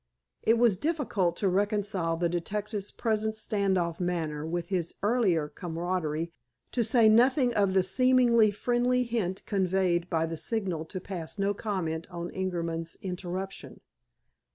It was difficult to reconcile the detective's present stand off manner with his earlier camaradie, to say nothing of the seemingly friendly hint conveyed by the signal to pass no comment on Ingerman's interruption.